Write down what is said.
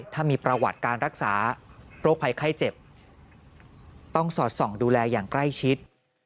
ถ้ามีประวัติการรักษาโรคภัยไข้เจ็บต้องสอดส่องดูแลอย่างใกล้ชิด